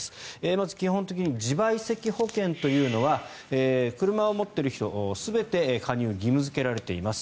まず、基本的に自賠責保険というのは車を持っている人全て加入が義務付けられています。